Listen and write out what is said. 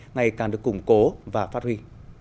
ngày càng được củng cố và phát huy